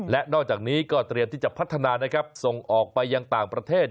และนอกจากนี้ก็เตรียมที่จะพัฒนานะครับส่งออกไปยังต่างประเทศ